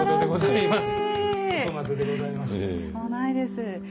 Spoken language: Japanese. いいですね。